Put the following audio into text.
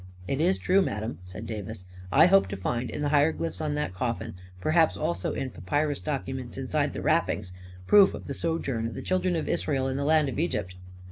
" It is true, madam," said Davis. " I hope to find, in the hieroglyphs on that coffin — perhaps also in papyrus documents inside the wrappings — proof of the sojourn of the Children of Israel in the land of Egypt."